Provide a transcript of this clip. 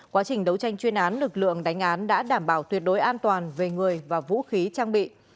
quá trình đấu tranh chuyên án lực lượng đánh án đã đảm bảo tuyệt đối an toàn về người và vũ khí trang bị